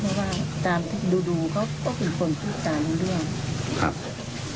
เพราะว่าตามที่ดูเขาก็เป็นคนพูดตามอย่างเดียว